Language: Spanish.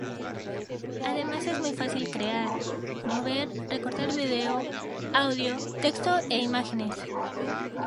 Además es muy fácil crear, mover, recortar vídeo, audio, texto e imágenes.